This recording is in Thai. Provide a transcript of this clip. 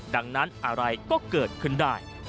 ดังนั้นอะไรก็เกิดขึ้นได้